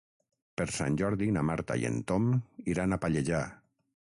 Per Sant Jordi na Marta i en Tom iran a Pallejà.